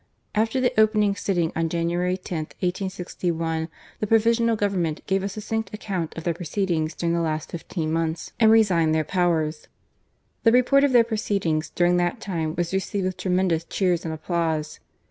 After the opening sitting on January lo, 1861,. the Provisional Government gave a succinct account of their proceedings during the last fifteen months, and resigned their powers. The report of their pro ceedings during that time was received with tremen dous cheers and applause.